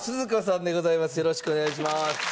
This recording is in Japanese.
よろしくお願いします。